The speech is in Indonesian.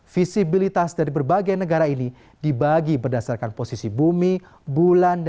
visibilitas dari berbagai negara ini dibagi berdasarkan posisi bumi bulan